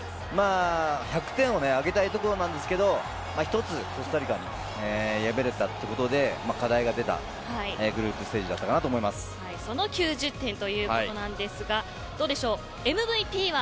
１００点をあげたいところなんですが一つ、コスタリカに敗れたということで課題が出たグループステージその９０点ということなんですがどうでしょう